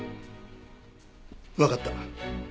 わかった。